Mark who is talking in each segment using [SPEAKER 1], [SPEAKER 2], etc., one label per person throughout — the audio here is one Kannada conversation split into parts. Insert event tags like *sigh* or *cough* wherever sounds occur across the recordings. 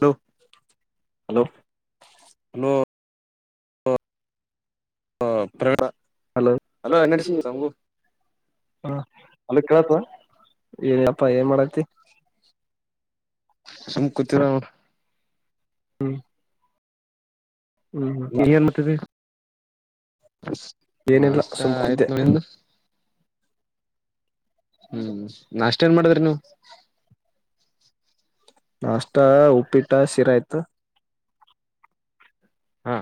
[SPEAKER 1] Hello
[SPEAKER 2] hello
[SPEAKER 1] hello. *inaudible* ಹ ಹ ಪ್ರಣ *inaudible*
[SPEAKER 2] ಹಲೋ ಹ ಏನ.
[SPEAKER 1] ಅಲ ಕೇಳತ್ವಾ
[SPEAKER 2] *inaudible* ಪ್ಪ ಏನ್ ಮಾಡತಿ.
[SPEAKER 1] ಸುಮ್ ಕೂತಿರ
[SPEAKER 2] ಹ್ಮ್ ಹ್ಮ್
[SPEAKER 1] ನೀ ಏನ್ ಮತೀ
[SPEAKER 2] ಏನಿಲ್ಲ
[SPEAKER 1] ನಾಷ್ಟ
[SPEAKER 2] ಸುಮ್ ಕುಂತಿದ್ದೆ
[SPEAKER 1] ಆಯ್ತು ನಿಂದ್. ಹ್ಮ್ ನಾಷ್ಟೇನ್ ಮಾಡಿದ್ರಿ ನೀವು.
[SPEAKER 2] ನಾಷ್ಟ ಉಪ್ಪಿಟ್ಟ ಶಿರ ಆಯ್ತು.
[SPEAKER 1] ಹಾ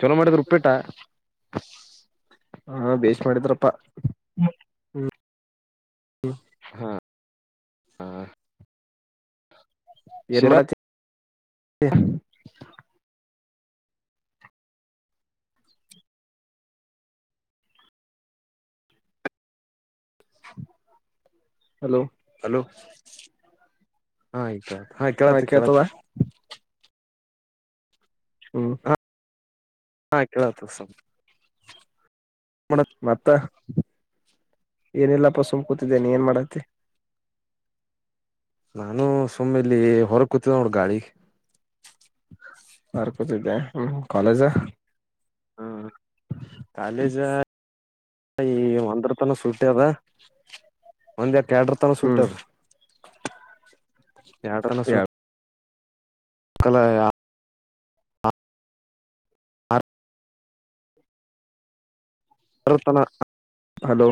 [SPEAKER 1] ಚಲೋ ಮಾಡಿದ್ರೆ ರುಪ್ಪೇಟ. ಬ *unintelligible*
[SPEAKER 2] ಹಾ ಬೇಸ್ ಮಾಡಿದ್ರಪ್ಪ ಹ್ಮ್. ಹ್ಮ
[SPEAKER 1] ಹಾ ಹಾ
[SPEAKER 2] ಏನ್ ಮಾಡತ್ತಿ.
[SPEAKER 1] *unintelligible*
[SPEAKER 2] ಹಲೋ.
[SPEAKER 1] *unintelligible* ಹಾ ಆಯ್ತತೆ ಹಾ ಕೇಳತ ಕೇಳತು.
[SPEAKER 2] ಹ್ಮ್
[SPEAKER 1] ಹಾ ಕೇಳತಸ *inaudible*
[SPEAKER 2] ಮತ್ತಾ ಏನಿಲ್ಲ ಪಸ ಸುಮಕೂತಿದ್ದೇ ನೀನ್ ಎನ್ ಮಾಡಾತ್ತಿ
[SPEAKER 1] ನಾನೂ ಸುಮ್ಮ ಇಲ್ಲಿ ಹೊರ ಕೂತಿದ್ದ ನೋಡ ಗಾಳಿಗ್
[SPEAKER 2] ಕಾಲೇಜಾ
[SPEAKER 1] ಹ್ಮ್ ಕಾಲೇಜಾ ಈ ಒಂದ್ರತನ ಸುಟ್ಟಿ ಅದ ಒಂದ್ ಎ ಕ್ಯಾಡರ್ ತನ ಸೂಟ್
[SPEAKER 2] ಹ್ಮ್
[SPEAKER 1] ಅದ ಯಡ್ರನ ಸೂ ಕಲಾಯ ಆರರ *unintelligible*
[SPEAKER 2] ಹಲೋ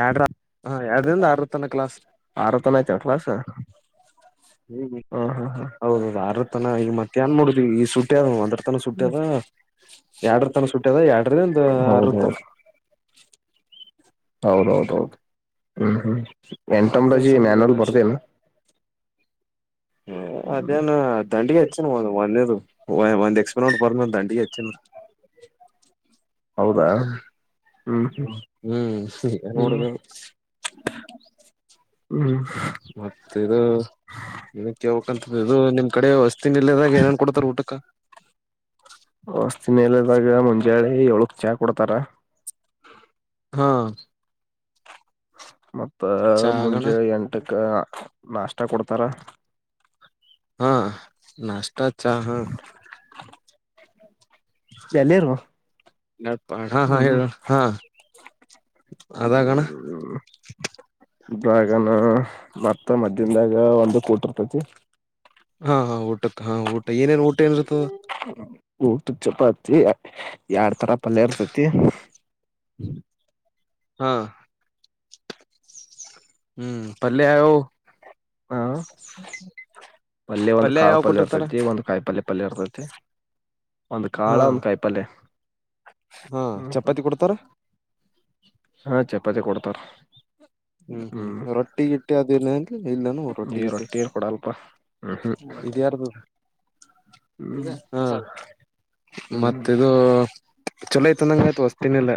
[SPEAKER 1] ಯಾಡ್ರ
[SPEAKER 2] ಆರತನ ಐತೇನ್ ಕ್ಲಾಸ್
[SPEAKER 1] ಹ್ಮ್
[SPEAKER 2] ಹ್ಮ ಹ್ಮ ಹ್ಮ
[SPEAKER 1] ಹೌದೌದು ಆರರತನ ಈಗ ಮತ್ತ ಏನ್ ಮಾಡೋದಿ ಈಗ ಸುಟ್ಟ್ಯದ ಒಂದರ ತನ ಸುಟ್ಟ್ಯದ ಎರಡರ ತನ ಸುಟ್ಟ್ಯದ ಎರಡರಿಂದ ಆರರತನ
[SPEAKER 2] ಹೌದೌದು ಹೌದೌದೌದು ಹ್ಮ ಹಾ
[SPEAKER 1] ಮತ್ತೇನ್
[SPEAKER 2] ಎಂಟೊಮೊಲೊಜಿ
[SPEAKER 1] ಸಂಗ
[SPEAKER 2] ಮ್ಯಾನುಲ್
[SPEAKER 1] ನಡ್ಸಿ
[SPEAKER 2] ಬರ್ದೇನು
[SPEAKER 1] ಹ್ಮ ಅದೇನ ದಂಡಿಗೆ ಹೆಚ್ಚನು ಒನ್ ಒನ್ನೆದು ವ ಒಂದು ಎಕ್ಸ್ಪರಿಮೆಂಟ್ ಬರುದ್ಮೇಲ್ ದಂಡಿಗೆ ಹೆಚ್ಚನ
[SPEAKER 2] ಹೌದಾ ಹ್ಮ್ ಹ್ಮ್ ಹ್ಮ್ ಹ್ಮ್
[SPEAKER 1] ಮತ್ತ ಇದು ಇದಕ್ಕೆಲ್ಬೇಕಂತದ ಇದು ನಿಮ ಕಡೆ ತಿಂಡಿ ಇರ್ಲಿಲ್ದಾಗ್ ಏನೇನ್ ಕೊಡ್ತಾರ ಊಟಕ
[SPEAKER 2] ವಸ್ತಿನ ಎಲ್ಲದಾಗ ಮುಂಜಳೆ ಏಳಕ್ ಚಾ ಕೊಡ್ತಾರ
[SPEAKER 1] ಹಾ
[SPEAKER 2] ಮತ್ತ
[SPEAKER 1] ಚಾ ಆಗಣ
[SPEAKER 2] ಮುಂಜೆ ಎಂಟಕ್ಕ ನಾಷ್ಟ ಕೊಡ್ತಾರ
[SPEAKER 1] ಹಾ ನಾಷ್ಟ ಚಾ ಹಾ
[SPEAKER 2] ಎಲ್ಲಿರು
[SPEAKER 1] ನಪ ಹಾ ಹಾ
[SPEAKER 2] ಹ್ಮ್
[SPEAKER 1] ಹೇಳ ಹಾ ಅದಾಗಣ
[SPEAKER 2] ಡ್ರ್ಯಾಗನಾ ಮತ್ತ ಮಧ್ಯ್ದನ್ದಾಗ ಒಂದು ಕೊತಿರ್ತತಿ,
[SPEAKER 1] ಹಾ ಹಾ ಊಟಕ್ಕ ಹಾ ಉಟ್, ಏನೇನ್ ಊಟ ಇರ್ತದ.
[SPEAKER 2] ಉಟುಕ್ ಚಪತಿ ಯಡ್ ತರ ಪಲ್ಯ ಇರ್ತತಿ.
[SPEAKER 1] ಹಂ. ಹ್ಮ್ ಪಲ್ಯವು,
[SPEAKER 2] ಹಾ. ಪಲ್ಯ ಒಂದು ಕಾಳ
[SPEAKER 1] ಯಾವ್
[SPEAKER 2] ಪಲ್ಯ
[SPEAKER 1] ಕೊಟ್ಟಿರ್ತಾರ
[SPEAKER 2] ಇರ್ತೈತಿ ಒಂದು ಕಾಯಿ ಪಲ್ಯ. ಪಲ್ಯರ್ತತೆ. ಒಂದ್ ಕಾಳ
[SPEAKER 1] ಹಾ
[SPEAKER 2] ಒಂದ್ ಕಾಯಿಪಲ್ಯ.
[SPEAKER 1] ಹಾ ಚಪಾತಿ ಕೊಡ್ತಾರ?
[SPEAKER 2] ಹಾ ಚಪಾತಿ ಕೊಡ್ತಾರ.
[SPEAKER 1] ಹ್ಮ್ ಹ್ಮ್ ರೊಟ್ಟಿ ಗಿಟ್ಟಿ ಅದೇನನ್ ಇಲ್ಲನ
[SPEAKER 2] ಈ
[SPEAKER 1] ರೊಟ್ಟಿಗಿಟ್ಟಿ,
[SPEAKER 2] ರೊಟ್ಟಿ ಕೊಡಲ್ಪ ಹ್ಮ್
[SPEAKER 1] ಇದೆ ಇರ್ಬೇಕ್
[SPEAKER 2] ಹ್ಮ್
[SPEAKER 1] ಇದೆ ಹಾ
[SPEAKER 2] ಹ್ಮ್ ಹ್ಮ್
[SPEAKER 1] ಮತ್ತಿದು, ಚಲೋ ಐತದಂಗ ವ ತ್ಸ್ತಿನಿಲ್ಲ.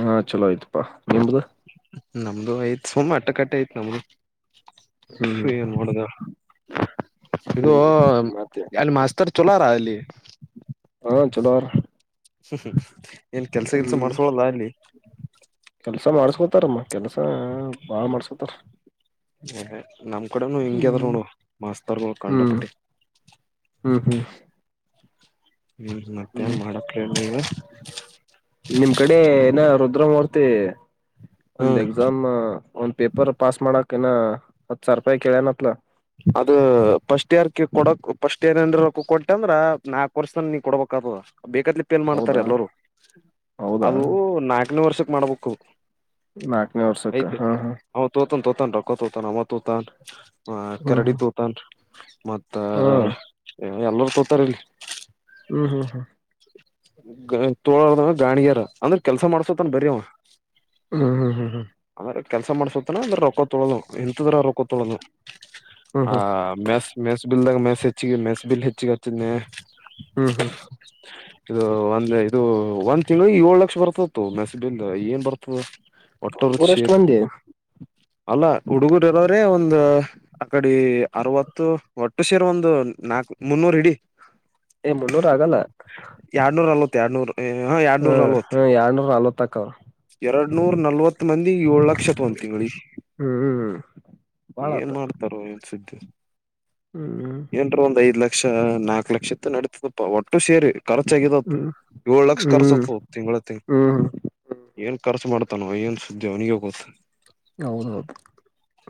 [SPEAKER 2] ಹಾ ಚಲೋ ಆಯ್ತಪ್ಪಾ ನಿಮ್ದ?
[SPEAKER 1] ನಮ್ದು ಆಯ್ತ್ ಸುಮ ಅಟ್ಟಕಟ್ಟೆ ಆಯ್ತ್ ನಮ್ದು.
[SPEAKER 2] ಹ್ಮ್.
[SPEAKER 1] ಏನ್ ಮಾಡುದ ಇದು
[SPEAKER 2] ಹ್ಮ್ ಮತ್ತೆ
[SPEAKER 1] ಅಲ್ಲಿ ಮಾಸ್ತರ್ ಚಲೋರ ಅಲ್ಲಿ.
[SPEAKER 2] ಹಾ, ಚಲೋಆರ.
[SPEAKER 1] ಹೂಂ ಹು,
[SPEAKER 2] ಹ್ಮ್. ಕೆಲ್ಸ ಮಾಡ್ಸತಾರಮ್ಮ. ಕೆಲಸ ಬಾಳ ಮಾಡ್ಸ್ಕಾತಾರ.
[SPEAKER 1] ಹ್ಞೆಹೆ, ನಮ್ ಕಡೆನು ಹಿಂಗ್ಯ ಆದರು ನೋಡುವ ಮಾಸ್ತರ್ಗಳು
[SPEAKER 2] ಹ್ಮ್
[SPEAKER 1] ಕಂಡಪಟ್ಟಿ.
[SPEAKER 2] ಹ್ಮ್ ಹ್ಮ್
[SPEAKER 1] ಹ್ಮ್ ಮತ್ತೆನ್
[SPEAKER 2] ಹ್ಮ್
[SPEAKER 1] ಮಾಡಕ್ ಹೇಳಿಗಾ,
[SPEAKER 2] ದ್ರಮೂರ್ತಿ, ಒಂದ್ ಎಕ್ಸಾಮ್ ಒಂದ್ ಪೇಪರ್ ಪಾಸ್ ಮಾಡಕ್, ಕೆನಾ ಹತ್ ಸಾರ್ಪಾಯ ಕೇಳನ ಅತ್ನಾ.
[SPEAKER 1] ಅದ ಫಸ್ಟ್ ಇಯರ್ ಕ ಕೊಡಕ್ ಫಸ್ಟ್ ಇಯರ್ಎನ್ ರೊಕ್ಕಾ ಕೊಟ್ಟ್ಯ ಅಂದ್ರ ನಾಲ್ಕ ವರ್ಷತಾನ ನೀ ಕೊಡ್ಬೇಕಕ್ ಆತದ. ಬೇಕತ್ಲಿ ಪೇಲ್
[SPEAKER 2] ಹೌದಾ
[SPEAKER 1] ಮಾಡ್ತಾರ ಎಲ್ಲರು
[SPEAKER 2] ಹೌದಾ
[SPEAKER 1] ಅದು ನಾಲ್ಕನೇ ವರ್ಷ, ಮಾಡ್ಬಕು.
[SPEAKER 2] ನಾಕ್ನೇ ವರ್ಷಕ್ಕ್ ಹಾ ಹಾ
[SPEAKER 1] ಹತೋತಾ ತೋತಾನ್ ರೊಕ್ಕಾ ತೋತಾನ್ ಅವ ತೊತನ್.
[SPEAKER 2] ಹ್ಮ್
[SPEAKER 1] ಕರಡಿ
[SPEAKER 2] ಹ್ಮ್
[SPEAKER 1] ತೋತನ್. ಮತ್ತಾ
[SPEAKER 2] ಹಾ
[SPEAKER 1] ಎಮ್ನೊರ್ ತೊತಾರಿಲ್ಲಿ.
[SPEAKER 2] ಹ್ಮ್ ಹ್ಮ್ ಹ್ಮ್
[SPEAKER 1] *unintelligible* ಗ ತೋಳರ್ದ್ದ್ಂದ್ರ್ ಗಾಣ್ಗೇರ್ ಅಂದ್ರ್ ಕೆಲ್ಸ ಮಾಡ್ಸೋತನ್ ಬರಿ ಅವ.
[SPEAKER 2] ಹ್ಮ್ ಹ್ಮ್ ಹ್ಮ್ ಹ್ಮ
[SPEAKER 1] ಅಂದ್ರ ಕೆಲ್ಸ ಮಾಡ್ಸೋತನ ಅಂದ್ರ್ ರೊಕ್ಕ ತೊಳ್ಲ್ವ್ ಹಿಂತದ್ರ್ ರೊಕ್ಕ ತೊಳೋದ್ಲ.
[SPEAKER 2] ಹ್ಮ್ ಹ್ಮ್
[SPEAKER 1] ಆ
[SPEAKER 2] ಹ್ಮ್
[SPEAKER 1] ಮೆಸ್ ಮೆಸ್ ಬಿಲ್ದಾಗ್ ಮೆಸ್ಸ್ ಹೆಚ್ಚಿಗೆ ಮೆಸ್ಸ್ ಬಿಲ್ ಹೆಚ್ಚಿಗೆ ಹಚ್ಚಿದ್ನೆ
[SPEAKER 2] ಹ್ಮ್ ಹ್ಮ್
[SPEAKER 1] ಹ್ಮ್ ಇದು ಒಂದ್ ಇದು ಒಂತಿಂಗ್ಳಿ ಏಳ್ಲಕ್ಷ ಬರ್ತ್ ತ್ತ್ಂತೋ ಮೆಸ್ಸಬಿಲ್ ಏನ್ ಬರ್ತದ್.
[SPEAKER 2] ಊರೆಷ್ಟ್ ಮಂದಿ.
[SPEAKER 1] ಅಲ್ಲ್ ಹುಡುಗುರಿರೋರೆ ಒಂದ್ ಅಕಡಿ ಅರವತ್ತು ಒಟ್ಟು ಸೇರ್ ಒಂದು ನಾಕ್ ಮುನ್ನೂರು ಹಿಡಿ.
[SPEAKER 2] ಎ ಮುನ್ನೂರ್ ಆಗಲ್ಲ.
[SPEAKER 1] ತ್ಯಾಡ್ನೂರು
[SPEAKER 2] ಹ್ಮ ಹ್ಮ್ ಯಾರ್ನೂರ್ಲತ್ ಆಕಾವ್.
[SPEAKER 1] ಎರಡ್ ನೂರ್ ನಲ್ವತ್ತ್ ಮಂದಿ ಏಳ್ ಲಕ್ಷ ತೊಂತಿವಿಳ್ಗ್
[SPEAKER 2] ಹ್ಮ್ ಹ್ಮ್
[SPEAKER 1] *inaudible* ಏನ್
[SPEAKER 2] ಬಾಳತ್ತ
[SPEAKER 1] ಮಾಡ್ತ್ *unintelligible* *inaudible*
[SPEAKER 2] ಹ್ಮ್
[SPEAKER 1] ಏನ್ರ ಒಂದು ಐದ್ ಲಕ್ ಷ್ ನಾಕ್ ಲಕ್ಷ ಇತ್ ನಡಿತ್ತ್ಪ್ ಷ್ಟು ಸೇರಿ ಖರ್ಚಾಗಿದತ್ತ್
[SPEAKER 2] ಹ್ಮ್
[SPEAKER 1] ಏಳು ಲಕ್ಷ
[SPEAKER 2] ಹ್ಮ್
[SPEAKER 1] ಖರ್ಚಾತದ್ ತಿಂಗ್ಳ್ ತಿಂಗ್ಳ್
[SPEAKER 2] ಹ್ಮ್
[SPEAKER 1] ಏನ್ ಖರ್ಚು ಮಾಡ್ತ್ ತ್ತನೊ ಏನ್ ಸುದ್ದಿ ಅವ್ನಿಗೆಗೊತ್ತ್.
[SPEAKER 2] ಹೌದೌದ್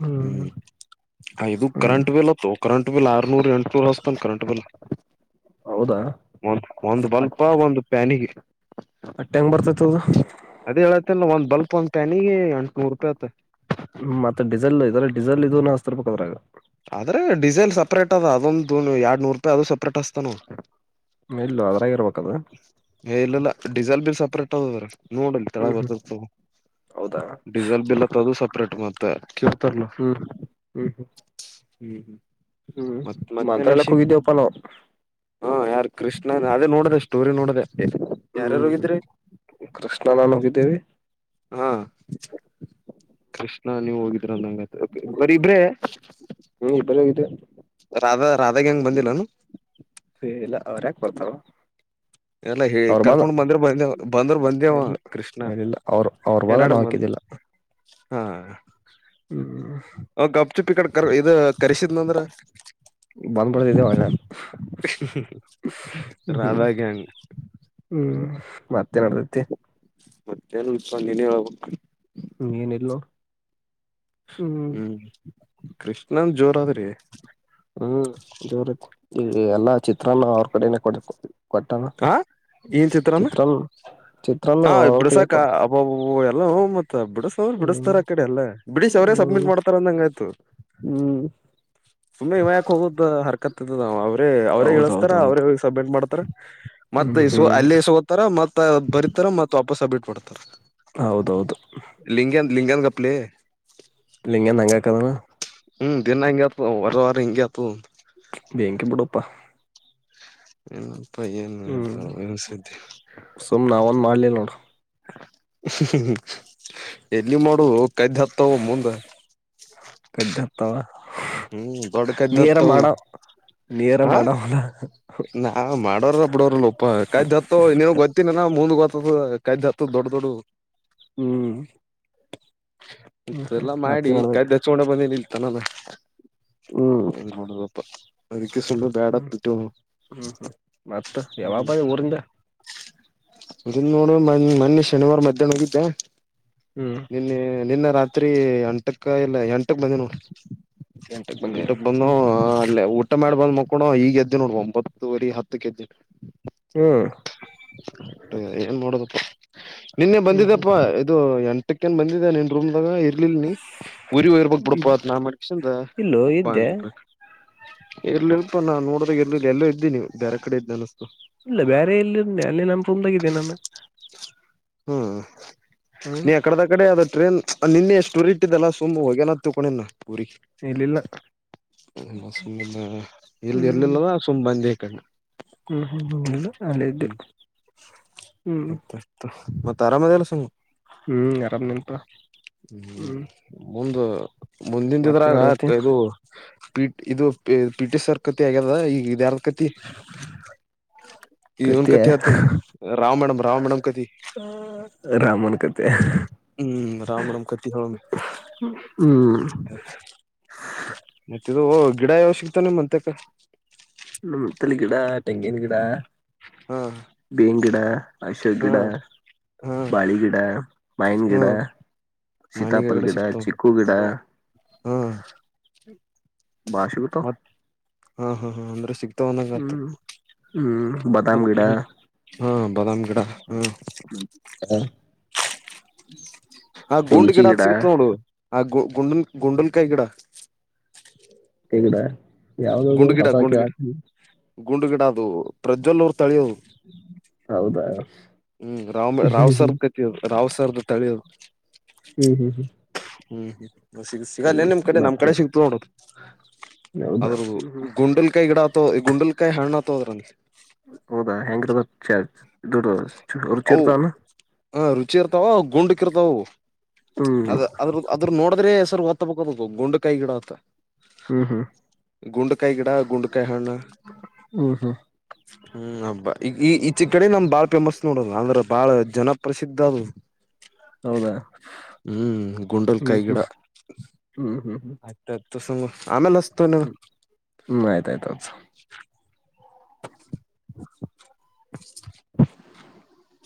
[SPEAKER 2] ಹ್ಮ್
[SPEAKER 1] ಇದು
[SPEAKER 2] ಹ್ಮ್
[SPEAKER 1] ಕರೆಂಟ್ ಬಿಲ್ ಅತ್ತು ಕರೆಂಟ್ ಬಿಲ್ ಆರ್ನೂರ್ ಎಂಟನೂರ್ ಹಚ್ಚ್ತನ್ ಕರೆಂಟ್ ಬಿಲ್
[SPEAKER 2] ಹೌದಾ
[SPEAKER 1] ಒಂದ್ ಒಂ ಬಲ್ಪ್ ಒಂದ್ ಪ್ಯಾನಿಗೆ
[SPEAKER 2] ಅಟ್ಟ ಹೆಂಗ್ ಬರ್ತೈತ್ ಅದು
[SPEAKER 1] ಅದೇ ಹೇಳತ್ತಿನ್ ಒಂದ್ ಬಲ್ಪ್ ಒಂದ್ ಪ್ಯಾನಿಗೆ ಎಂಟ್ನೋರು ರೂಪೆ ಆತ.
[SPEAKER 2] ಹ್ಮ್ ಮತ್ತ ಡಿಝಲ್ ಇದ್ರ ಡಿಝಲ್ ಇದು ನ ಹಚ್ತಾರ್ರ್ಬೇಕ ಅದ್ರಾಗ.
[SPEAKER 1] ಅಂದ್ರೆ ಡಿಝೆಲ್ ಸಪ್ರೇಟ್ ಅದ ಅದೊಂದುಣು ಎರಡ್ ನೂರು ರೂಪೆ ಅದು ಸಪ್ರೇಟ್ ಹೆಚ್ಚತ್ತಾನ ಅವ.
[SPEAKER 2] ನಿಲ್ಲು ಅದ್ರಾಗ ಇರ್ಬೇಕ ಅದ.
[SPEAKER 1] ಎ ಇಲ್ಲಿಲ್ಲ ಡಿಝೆಲ್ ಬಿಲ್ ಸಪ್ರೇಟ್ ಹೌದೌದ್ರ. ನೋಡ ಅಲ್ಲಿ ತಳಗ
[SPEAKER 2] ಹ್ಮ್ ಹ್ಮ್
[SPEAKER 1] ಬರ್ದಿರತವು
[SPEAKER 2] ಹೌದಾ
[SPEAKER 1] ಡೀಝೆಲ್ ಬಿಲ್ ಅತ್ತದು ಸಪ್ರೇಟ್ ಮತ್. ತ್ತಕ್ಕೆತರ್ಲೊ.
[SPEAKER 2] ಹ್ಮ್ ಹ್ಮ್
[SPEAKER 1] ಹ್ಮ್ ಹ್ಮ.
[SPEAKER 2] ಹ್ಮ್ ಮಂತ್ರಾಲಕ್ ಹೋಗಿದ್ದೇವಪ್ಪ ನಾವು
[SPEAKER 1] ಹಾ ಯಾರ್ ಕೃಷ್ಣ ಅದೇ ನೋಡ್ದ ಸ್ಟೋರಿ ನೋಡ್ದ ಯಾರ್ಯಾರು
[SPEAKER 2] ಹ್ಮ್
[SPEAKER 1] ಹೋಗಿದ್ರಿ
[SPEAKER 2] ಕೃಷ್ಣ ನಾನು ಹೋಗಿದ್ದೇವಿ.
[SPEAKER 1] ಹ್ಹಾ ಕೃಷ್. ನಾ ನೀವ್ ಹೋಗಿದ್ರ ಅಂನಗ ಆತ ಬರಿ ಇಬ್ರೆ.
[SPEAKER 2] ಹ್ಮ್ ಇಬ್ಬರ ಹೋಗಿದ್ದೇವಿ
[SPEAKER 1] ರಾಧಾ ರಾಧಾಗ ಹೆಂಗ ಬಂದಿಲ್ಲ ಅನು.
[SPEAKER 2] ಇಲ್ಲಾ ಅವ್ರ ಯಾಕ ಬರ್ತಾವು.
[SPEAKER 1] ಎಲ್ಲ ಹೇ ಕರ್ಕೊಂಡ್ ಬಂದರು ಬಂದೇವ ಬಂದರು ಬಂದೇವ
[SPEAKER 2] ಇಲ್ಲ
[SPEAKER 1] ಕೃಷ್ಣಾ
[SPEAKER 2] ಇಲ್ಲ ಅವ್ರ ಅವ್ರ
[SPEAKER 1] ಏ
[SPEAKER 2] ಬಾದ
[SPEAKER 1] ನಡರು
[SPEAKER 2] ನಾವ್
[SPEAKER 1] ಮಂದ.
[SPEAKER 2] ಹಾಕಿದ್ದಿಲ್ಲ
[SPEAKER 1] ಹ್ಹಾ.
[SPEAKER 2] ಹ್ಮ್
[SPEAKER 1] ಅವ್ ಗಪ್ ಚುಪಿ ಕಡೆ ಕರ್ ಇದು ಕರೆಸಿದ್ನಂದ್ರ
[SPEAKER 2] ಬಂದ್ ಬಿಡ್ತಿದ್ದೇವ
[SPEAKER 1] *unintelligible*
[SPEAKER 2] ಹ್ಮ್
[SPEAKER 1] ರಾಧಾ ಗ್ಯಾಂಗ್.
[SPEAKER 2] ಹ್ಮ್ ಮತ್ತೇನ್ಡತೈತಿ.
[SPEAKER 1] ಮತ್ತ ಏನು ಇಲ್ಪಾ ನೀನು ಹೇಳಬೇಕ್ಕ.
[SPEAKER 2] ನೀನ್ಎಲ್ಲೋ.
[SPEAKER 1] ಹ್ಮ್. ಕೃಷ್ಣನ್ ಜೋರ ಆದ್ರಿ.
[SPEAKER 2] ಹ್ಮ್ ಜೋರ ಐತಿ ಈ ಎಲ್ಲಾ ಚಿತ್ರನ್ನಾ ಅವ್ರ ಕಡಿನೇ ಕೊಡ್ಯಾಕ ಹೊಕ್ಕೆವಿ.
[SPEAKER 1] ಕಾಹಾ ಏನ್ ಚಿತ್ರನ್ನಾ
[SPEAKER 2] ಚಿತ್ರಾನ್ನ
[SPEAKER 1] ಹಾ
[SPEAKER 2] ಅವತ್ತಿಗೆ
[SPEAKER 1] ಬಿಡ್ಸಕಾ
[SPEAKER 2] ಕೊಟ್ಟ
[SPEAKER 1] ಅಬಬುಬು ಎಲ್ಲ ಹೂಂಮ ಮತ್ತ. ಬಿಡಿಸ ಅಂದ್ರ
[SPEAKER 2] ಹ್ಮ್
[SPEAKER 1] ಬಿಡಿಸತಾರ ಆ ಕಡೆ ಎಲ್ಲ ಬಿಡಿಶ್ ಅವರೇ
[SPEAKER 2] ಹ್ಮ್
[SPEAKER 1] ಸಬ್ಮಿಟ್ ಮಾಡ್ತಾರ ಅಂದಂಗಾಯ್ತು
[SPEAKER 2] ಹ್ಮ್
[SPEAKER 1] ಸುಮ್ನೆ ಇವ ಯಾಕ ಹೋಗದ್ ಹರ್. ಕತ್ತದದ ಆವೆ. ರೇ ಅವ್ರೇ ಇಳಿಸ್ತಾರ ಅವ್ರೇ
[SPEAKER 2] ಹೌದೌದೌದು
[SPEAKER 1] ಹೋಗಿ ಸಬ್ಮಿಟ್ ಮಾಡ್ತಾರಾ. ಮತ್ತ
[SPEAKER 2] ಹ್ಮ್
[SPEAKER 1] ಇಸ್ಕೊ
[SPEAKER 2] ಹ್ಮ್
[SPEAKER 1] ಅಲ್ಲೇ ಇಸ್ಕೊತಾರಾ ಮತ್ ಬರೀತ್ತಾರಾ ಮತ್ತ ವಾಪಸ್ಸ. ಬಿಟ್ಬಿಡ್ತಾರ.
[SPEAKER 2] ಹೌದ ಹೌದು.
[SPEAKER 1] ಲಿಂಗ್ಯಾನ್ ಗಪ್ಲೇ.
[SPEAKER 2] ಲ್ಲಿಂಗ್ಯಾನ ಹಂಗ ಯಾಕ ಅದನಾ.
[SPEAKER 1] ಹ್ಮ್ ದಿನಾ ಹಿಂಗ ಎತ್ವ ಅವು ವರವರ ಹಿಂಗ ಎತ್ವವು.
[SPEAKER 2] ಪ್ಪ.
[SPEAKER 1] *inaudible*
[SPEAKER 2] ಹ್ಮ್
[SPEAKER 1] ಹೇಳ್ತಾರ ಏನ್
[SPEAKER 2] ಸುಮ್ ನಾವ ಒಂದ ಮಾಡ್ಲಿಲ್ಲ ನೋಡ.
[SPEAKER 1] ಹು ಹು ಹು ಎಲ್ಲಿ ಮಾಡುವ. ಕಡ್ಡಿ ಅತ್ತವೋ ಮುಂದ.
[SPEAKER 2] ತವಾ.
[SPEAKER 1] ಹ್ಮ್ ದೊಡ್ಡ ಕದ್ದ್
[SPEAKER 2] ನಿ ಅರ
[SPEAKER 1] ಹತ್ತವು
[SPEAKER 2] ಮಾಡುವ ನಿ ಅರ
[SPEAKER 1] ಹ
[SPEAKER 2] ಮಡವ ಅಲಾ.
[SPEAKER 1] ನಾ ಮಾಡೋವರ ಬಿಡೋರಲ್ಲ ಓಪ್ಪ ಕದ್ದಿ ಹತ್ತವ ನೀನ್ಗ್ ಗೊತ್ತಿಲ ಇನ. ಮುಂದ ಗೊತ್ತಾದ ಕದ್ದಿ ಹತ್ತುದ ದೊಡ್ಡ ದೊಡವು.
[SPEAKER 2] ಹ್ಮ್. ಹ್ಮ್
[SPEAKER 1] ಇತ್ತ
[SPEAKER 2] ಹ್ಮ್
[SPEAKER 1] ಎಲ್ಲಾ
[SPEAKER 2] ಮತ್ತೆ
[SPEAKER 1] ಮಾಡಿ ಕಡ್ಡಿ
[SPEAKER 2] ನಡದೈತಿ
[SPEAKER 1] ಹಚ್ಚಕೊಂಡ ಬಂದೆನಿಲ್ಲಿ. ತನ್ನದ.
[SPEAKER 2] ಹ್ಮ್
[SPEAKER 1] ಏನ ನೋಡಲೋಪ್ಪಾ. ಸುಮ್ನೆ ಬ್ಯಾಡತ್ತ
[SPEAKER 2] ಹ್ಮ್
[SPEAKER 1] ಬಿಟ್ಟೇವನವ.
[SPEAKER 2] ಹ್ಮ್ ಹ್ಮ್ ಮತ್ತ ಯಾವ ಬಂದ ಊರಿಂದ.
[SPEAKER 1] ಇದನ್ ನೋಡ ಮ ಮೊನ್ನೆ ಶನಿವಾರ ಮಧ್ಯಾಹ್ನ ಹೋಗಿದ್ದೆ.
[SPEAKER 2] ಹ್ಮ್
[SPEAKER 1] ನಿನ್ನೆ ನಿನ್ನ ರಾತ್ರಿ ಅಂ ಇಲ್ಲ ಎಂಟಕ್ ಬಂದಿನ ನೋಡ
[SPEAKER 2] ಬಂದಿ
[SPEAKER 1] ಎಂಟಕ್ ಬಂದುವ
[SPEAKER 2] ಹ್ಮ್
[SPEAKER 1] ಅಲೆ ಊಟ ಮಾಡಿ ಬಂದ್ ಮಕ್ ಕಣೊ ಈಗೆದ್ದ ನೋಡ ಒಂಬ ಪ್ಪತ್ತುವರಿ ಹತ್ತು ಎದ್ದಿನಿ.
[SPEAKER 2] ಹ್ಮ್
[SPEAKER 1] ಅ ಏನ್ ಮಾಡೋದ. ನಿನ್ನೆ
[SPEAKER 2] ಹ್ಮ್
[SPEAKER 1] ಬಂದಿದಪ್ಪ ಇದು ಎಂ ಕೆಂದ ಬಂದಿದ್ದ ನಿನ್ ರೂಮ್ಡಾಗ ಇರ್ ನೆನ್ನೆ ಊರಿಗೆ ಹೋಗಿರ್ಬೇಕ ಬಿಡಪಾ
[SPEAKER 2] ಹ್ಮ್
[SPEAKER 1] ಅಂತ ನಾ ಮಡಿಕೆಶಿಯಿಂದ
[SPEAKER 2] ಇಲ್ಲೋ ಇದ್ದೆ
[SPEAKER 1] ಬಂದೆ ಪಾ. ಇಲ್ಲ ಇಲ್ಲಪಾ ನಾ ನೋಡದಾಗ ಎಲು ಎಲ್ಲೊ ಇದ್ದೀ ನಿ ಬ್ಯಾರೆ ಕಡೆ ಇದ್ದಿ ಅನಸ್ತ.
[SPEAKER 2] ಇಲ್ಲ ಬೈರೆ ಏಲ್ಲಿ ಇರ್ಲಿ ಅಲ್ಲಿ ನಮ ರೂಮ್ದಾಗಿದ್ದೆ ನಾನ.
[SPEAKER 1] ಹ್ಮ್. ಲೇ ಅಕದಕಡೆ ಅದು ಟ್ರೇನ್. ನಿನ್ನೆ ಎಷ್ಟುಊರ್ ಇಟ್ಟಿದ್ದಲ್ಲ ಸುಮ್ ಹೋಗ್ಯನ ತಿಕೊಂಡಿನಾ ಪೂರಿ
[SPEAKER 2] ಇಲ್ಲಿಲ್ಲ
[SPEAKER 1] ಸು ಎಲ್ಲಿ
[SPEAKER 2] ಹ್ಮ್
[SPEAKER 1] ಇರ್ಲಿಲ್ಲಾ ಸುಮ್ಮ್ ಬಂದೆ. *inaudible*
[SPEAKER 2] ಹ್ಮ್ ಹ್ಮ್ ಹ್ಮ್ ಆಲ್ ಅಲ್ ಇದ್ದೆ ಹ್ಮ್
[SPEAKER 1] ಮತ್ತತ್ತ. ಮತ್ ಅರಾಮದ ಎಲ್ಲ ಸಂಗ
[SPEAKER 2] ಹ್ಮ್ ಆರಾಮ್ನೆಪಾ
[SPEAKER 1] ಹ್ಮ್ ಮುಂದು
[SPEAKER 2] ಮತ್ತೆ
[SPEAKER 1] ಮುಂದಿನಿದ್ರಾಗ ಆ
[SPEAKER 2] ನಡ್ದೈತಿ
[SPEAKER 1] ಅದು ಪಿ ಇದು ಪೀಟಿ ಸರ್ಕತಿ ಆಗದ ಆ ಈಗ ಯಾರಕತಿ ಇವನ್
[SPEAKER 2] ಕತೆ
[SPEAKER 1] ಕತ್ತ ಹತೇನಿ ಬ್ರಾಹ್ಮಣ ಬ್ರಾಹ್ಮಣನ ಕತಿ
[SPEAKER 2] *inaudible*
[SPEAKER 1] ಹ್ಮ್ ರಾಮಣಮ್ ಕತ್ತಿ ಹೇಳುನ
[SPEAKER 2] ಹ್ಮ್
[SPEAKER 1] ಮತ್ತಿದು ಗಿಡ ಯಾವ ಸಿಕ್ತಾವ್ ನಿಮ್ಮಹಂತೆಕ್
[SPEAKER 2] ಮತ್ತಳ ಗಿಡಾ ಟೆಂಗಿನ ಗಿಡಾ
[SPEAKER 1] ಹಾ
[SPEAKER 2] ಬೇನ್ ಗಿಡಾ ಅಶೋಕ್
[SPEAKER 1] ಹಾ
[SPEAKER 2] ಗಿಡಾ
[SPEAKER 1] ಹಾ
[SPEAKER 2] ಬಾಳಿಗಿಡ
[SPEAKER 1] ಹಾ
[SPEAKER 2] ಮಾಯನಗಿಡಾ
[SPEAKER 1] ಮಾನಿಗಗಡೆ
[SPEAKER 2] ಸೀತಾಪಲ್ಗಿಡಾ
[SPEAKER 1] ಸಿಗ್ತಾವ
[SPEAKER 2] ಚಿಕ್ಕೂಗಿಡಾ
[SPEAKER 1] ಹಾ ಹಾ ಮತ್ ಹಾ ಹಾ ಹಾ ಅಂದ್ರ ಸಿಗ್ ತಾವ್ ಅಣ್ಣಂಗ್ ಆತು
[SPEAKER 2] ಹ್ಮ್ ಹ್ಮ್ ಬಾದಾಮ್
[SPEAKER 1] ಮತ್ತ
[SPEAKER 2] ಗಿಡ
[SPEAKER 1] ಹಾ ಬಾದಾಮ್ ಗಿಡಾ ಹಾ
[SPEAKER 2] *inaudible*
[SPEAKER 1] ಆ ಗುಂಡ
[SPEAKER 2] ತುಳಸಿ
[SPEAKER 1] ಗಿಡಾ
[SPEAKER 2] ಗಿಡ
[SPEAKER 1] ಸಿಗತ್ ನೋಡು ಆ ಗು ಗುಂಡಲ್ ಗುಂಡಲ್ಕಾ ಗಿಡಾ
[SPEAKER 2] ಕೆಂಗಡಾ ಯಾವ್ದದು
[SPEAKER 1] ಗಿಡ
[SPEAKER 2] ಹೊಸ
[SPEAKER 1] ಗುಂಡು ಗಿಡ
[SPEAKER 2] ಕೆಳಾತಿ
[SPEAKER 1] *inaudible* ಪ್ರಜ್ವಲ್ ಅವರ ತಗೋ
[SPEAKER 2] ಹೌದಾ
[SPEAKER 1] ಹ್ಮ್ ರಾಮ ರಾವ್
[SPEAKER 2] ಹ್ಮ್
[SPEAKER 1] ಸರ್ದ ಕಿಯರು ರಾವ್ ಸರ್ದ ತಗೋ
[SPEAKER 2] ಹ್ಮ್ ಹ್ಮ್
[SPEAKER 1] ಹ್ಮ್ ಹ್ಮ್ ಸಿಗ್ ಸಿಗಲ್ಲೇ
[SPEAKER 2] ಹ್ಮ್
[SPEAKER 1] ನಿಮ್ ಕಡೆ ನಮ್ಮ
[SPEAKER 2] ಮತ್ತೆ
[SPEAKER 1] ಕಡೆ ಸಿಗ್ತ ನೋಡ್ *inaudible*
[SPEAKER 2] ಹೌದಾ
[SPEAKER 1] ಹೌದು
[SPEAKER 2] ಹ್ಮ್ ಹ್ಮ್
[SPEAKER 1] ಗುಂಡಲ್ ಕೈ ಗಿಡಾ ತ್ ಗುಂಡನ್ ಕೈ ಹೆಂಗ್ ಆತಾವವರಂದಿ
[SPEAKER 2] ಹೌದಾ ಹೆಂಗರಬೇಕ್ ಚರ್ಚ್ ಇದುಡ ಚೇರ್ತಾನ *unintelligible*
[SPEAKER 1] ಚಿ ಇರ್ತಾವ ಗುಂಡಕ್ಕ ಇರ್ತಾವ ಅವು
[SPEAKER 2] ಹ್ಮ್
[SPEAKER 1] ಅದ ಅದ್ರ ಅದ್ರ ನೋಡಿದ್ರೆ ಸರ್ವ್ ಬ ಬೋ ಗುಂಡ ಕೈ ಗಿಡಾ ಅಕ್ಕಾ
[SPEAKER 2] ಹ್ಮ್ ಹ್ಮ್
[SPEAKER 1] ಗುಂಡಕಾಯ ಗಿಡಾ ಗುಂಡಕಾಯ ಹಣ್ಣ
[SPEAKER 2] ಹ್ಮ್ ಹ್ಮ್
[SPEAKER 1] ಹ್ಮ್ ಅಬ್ಬಾ ಈಗ ಈ ಈ ಚಿ ಕಡೆ ನಮ್ ಬಾ ನೋಡದು ಅಂದ್ರೆ ಬಾಳ ಜನಪ್ರಸಿದ್ಧ ಅದು
[SPEAKER 2] ಹೌದಾ
[SPEAKER 1] ಹ್ಮ್ ಗುಂಡಲ್
[SPEAKER 2] ಹ್ಮ್
[SPEAKER 1] ಕೈ
[SPEAKER 2] ಹ್ಮ್
[SPEAKER 1] ಗಿಡಾ
[SPEAKER 2] ಹ್ಮ್ ಹ್ಮ್
[SPEAKER 1] ಆತ ತುಗೊರಿ ತುಸು ಆಮೇಲೆ ಹಚ್
[SPEAKER 2] ಹ್ಮ್ ಆಯ್ತ ಆಯ್ತ ಹಚ್ *inaudible*